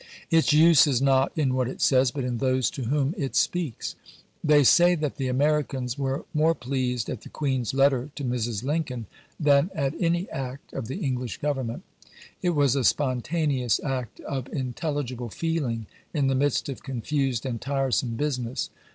Its use is not in what it says, but in those to whom it speaks. They say that the Americans were more pleased at the Queen's letter to Mrs. Lincoln, than at any act of the English Government. It was a spontaneous act of intelligible feeling in the midst of confused and tiresome business.